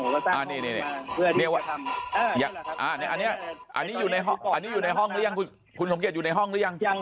ผมก็สร้างห้องมาเพื่อที่จะทำอันนี้อยู่ในห้องหรือยังคุณสมเกษอยู่ในห้องหรือยัง